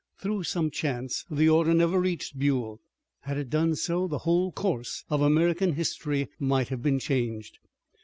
Through some chance the order never reached Buell. Had it done so the whole course of American history might have been changed.